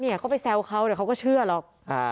ก็ไปแซวเขาเดี๋ยวเขาก็เชื่อหรอก